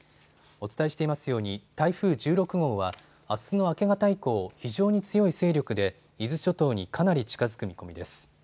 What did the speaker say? お伝えしていますように台風１６号はあすの明け方以降、非常に強い勢力で伊豆諸島にかなり近づく見込みです。